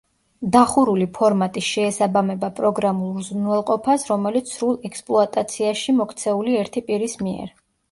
დახურული ფორმატი შეესაბამება პროგრამულ უზრუნველყოფას, რომელიც სრულ ექსპლუატაციაში მოქცეული ერთი პირის მიერ.